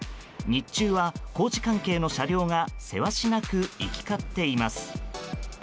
日中は、工事関係の車両がせわしなく行き交っています。